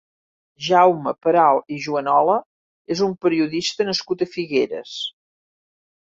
Jaume Peral i Juanola és un periodista nascut a Figueres.